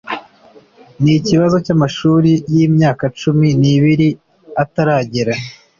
n ikibazo cy amashuri y imyaka cumi n ibiri ataragera